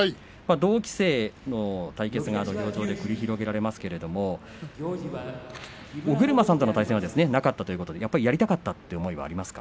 同期生の対決が土俵上で繰り広げられますけれど尾車さんとの対戦はなかったということでやっぱりやりたかったという思いがありますか。